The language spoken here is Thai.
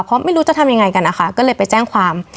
เพราะไม่รู้จะทำยังไงกันนะคะก็เลยไปแจ้งความ